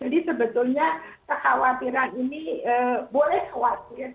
jadi sebetulnya kekhawatiran ini boleh khawatir